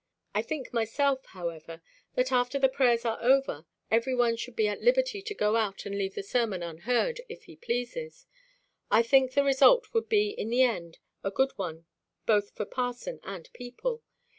I think myself, however, that after the prayers are over, everyone should be at liberty to go out and leave the sermon unheard, if he pleases. I think the result would be in the end a good one both for parson and people.